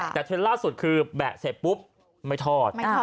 แต่เทรนด์ล่าสุดคือแบะเสร็จปุ๊บไม่ทอด